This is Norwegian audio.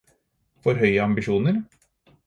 For høye ambisjoner?